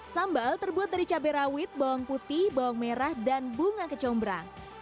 sambal terbuat dari cabai rawit bawang putih bawang merah dan bunga kecombrang